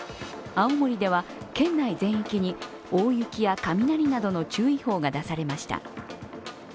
青森では県内全域に大雪や雷などの注意報が出されました。